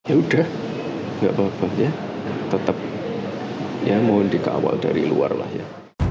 ya udah gak apa apa ya tetap ya mohon dikawal dari luar lah ya